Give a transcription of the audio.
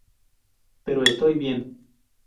Pero estoy bien.